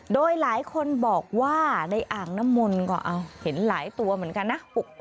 โดยหลายคนบอกว่าในอ่างน้ำมนต์ก็เห็นหลายตัวเหมือนกันนะ